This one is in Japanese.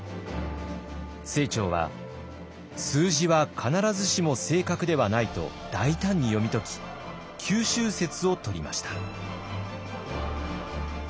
清張は数字は必ずしも正確ではないと大胆に読み解き九州説をとりました。